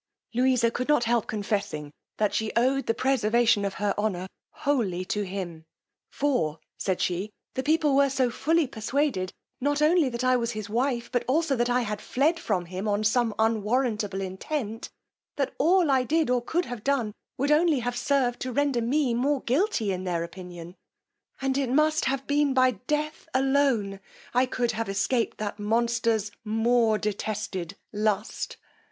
Louisa could not help confessing that she owed the preservation of her honour wholly to him; for, said she, the people were so fully persuaded not only that I was his wife, but also that I had fled from him on some unwarrantable intent, that all I did, or could have done, would only have served to render me more guilty in their opinion; and it must have been by death alone I could have escaped the monster's more detested lust.